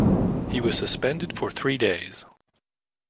He was suspended for three days.